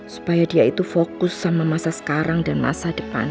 supaya dia itu fokus sama masa sekarang dan masa depan